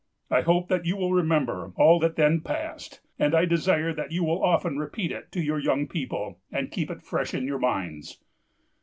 I hope that you will remember all that then passed, and I desire that you will often repeat it to your young people, and keep it fresh in your minds.